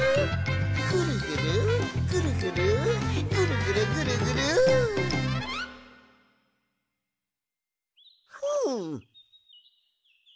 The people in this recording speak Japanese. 「ぐるぐるぐるぐるぐるぐるぐるぐる」ふん！